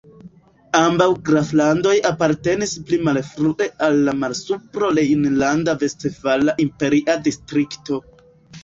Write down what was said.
Ambaŭ graflandoj apartenis pli malfrue al la Malsupro-Rejnlanda-Vestfala Imperia Distrikto.